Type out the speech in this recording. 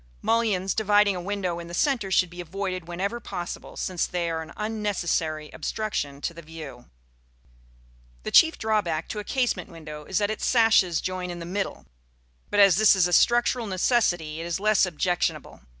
Mullions dividing a window in the centre should be avoided whenever possible, since they are an unnecessary obstruction to the view. The chief drawback to a casement window is that its sashes join in the middle; but as this is a structural necessity, it is less objectionable.